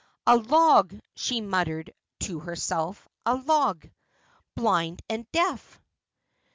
' A log,' she muttered to herself. ' a log. Blind and deaf